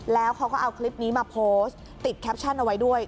แล้วเขาก็เอาคลิปนี้มาโพสต์ติดแคปชั่นเอาไว้ด้วย